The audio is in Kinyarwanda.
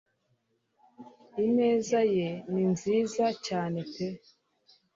imeza ye ni nziza cyane pe